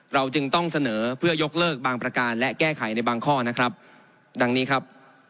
เราจึงต้องเสนอเพื่อยกเลิกบางประการและแก้ไขในบางข้อนะครับดังนี้ครับ